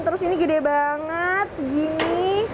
terus ini gede banget gini